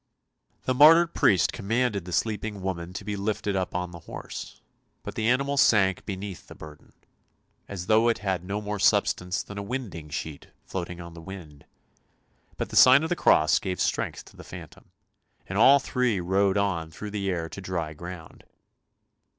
The martyred priest commanded the sleeping woman to be lifted up on to the horse, but the animal sank beneath the burden, as though it had no more substance than a winding sheet floating on the wind; but the sign of the cross gave strength to the phantom, and all three rode on through the air to dry ground.